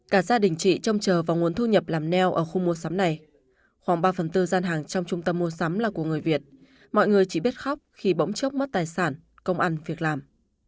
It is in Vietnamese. cả gia đình chị trông chờ vào nguồn thu nhập làm neo ở khu mua sắm này khoảng ba phần tư gian hàng trong trung tâm mua sắm là của người việt mọi người chỉ biết khóc khi bỗng chốc mất tài sản công ăn việc làm